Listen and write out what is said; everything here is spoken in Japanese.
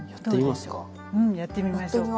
やってみますか。